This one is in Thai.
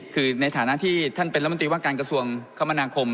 คือในฐานะที่ท่านเป็นรัฐมนตรีว่าการกระทรวงคมนาคม